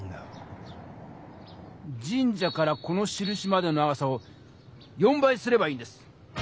神社からこのしるしまでの長さを４倍すればいいんです。